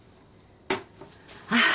あっ。